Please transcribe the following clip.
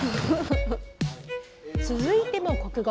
続いても国語。